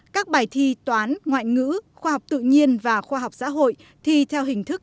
các bài thi toán ngoại ngữ khoa học tự nhiên và khoa học xã hội thi theo hình thức